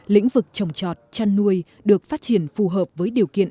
lĩnh vực trồng trọt chăn nuôi được phát triển phù hợp với điều kiện